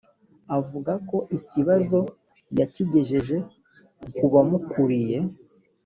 avuga ko ikibazo yakigejeje kubamukuriye.